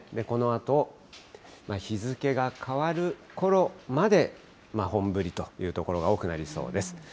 このあと、日付が変わるころまで本降りという所が多くなりそうです。